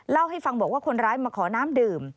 เล่าให้ฟังบอกว่าคนร้ายมาขอน้ำดื่ม